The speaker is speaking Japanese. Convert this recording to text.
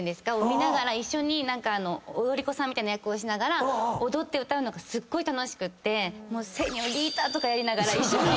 見ながら一緒に踊り子さんみたいな役をしながら踊って歌うのがすっごい楽しくて。とかやりながら一緒に。